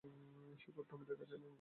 শূকরটা আর আমাদের কাছে নেই, বুঝেছেন?